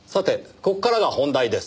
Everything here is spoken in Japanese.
ここからが本題です。